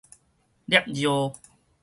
攝尿